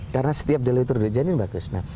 karena setiap dilalui tur de ijan ini bagus